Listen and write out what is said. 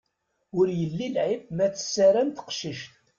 Ur yelli lɛib ma tessarem teqcict.